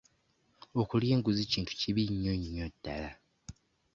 Okulya enguzi kintu kibi nnyo nnyo ddala.